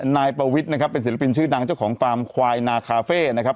นายปวิทย์นะครับเป็นศิลปินชื่อดังเจ้าของฟาร์มควายนาคาเฟ่นะครับ